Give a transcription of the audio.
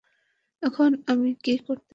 এখন আমি কি করতে পারি?